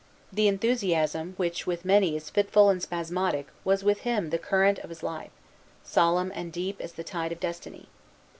The enthusiasm which with many is fitful and spasmodic was with him the current of his life, solemn and deep as the tide of destiny.